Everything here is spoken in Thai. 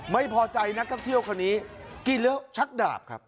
ไม่พอใจนักท่องเที่ยวคนนี้กินแล้วชักดาบครับ